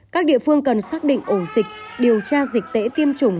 các địa phương cần xác định ổ dịch điều tra dịch tễ tiêm chủng